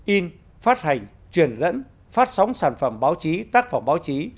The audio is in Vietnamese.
một mươi in phát hành truyền dẫn phát sóng sản phẩm báo chí tác phẩm báo chí